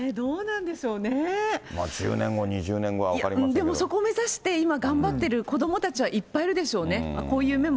１０年後、２０年後は分かりそこを目指して今、頑張ってる子どもたちはいっぱいいるでしょうね。